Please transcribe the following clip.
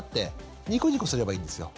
ニコニコすればいいんですよ。